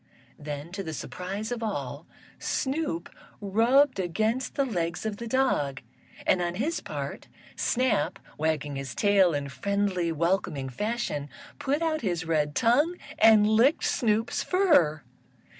Then, to the surprise of all, Snoop rubbed against the legs of the dog, and, on his part, Snap, wagging his tail in friendly, welcoming fashion, put out his red tongue and licked Snoop's fur.